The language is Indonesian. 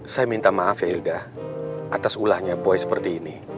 saya minta maaf ya ilda atas ulahnya poi seperti ini